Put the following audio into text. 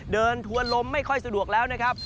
ทัวร์ลมไม่ค่อยสะดวกแล้วนะครับ